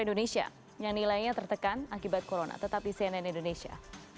k enam ratus é suara indonesia yang nilainya tertekan akibat corona tetap di cnn indonesia